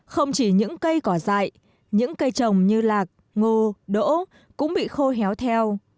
không chỉ những cây cỏ dại những cây trồng như lạc ngô đỗ cũng bị khô héo theo